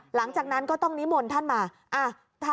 หลังจากนั้นก็ต้องนิมนต์ท่านมา